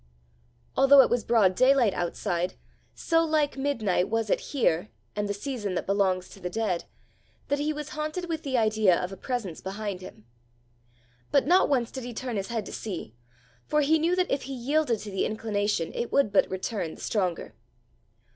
Although it was broad daylight outside, so like midnight was it here and the season that belongs to the dead, that he was haunted with the idea of a presence behind him. But not once did he turn his head to see, for he knew that if he yielded to the inclination, it would but return the stronger.